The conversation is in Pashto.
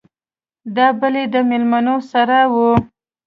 دا بل يې د ميلمنو سراى و.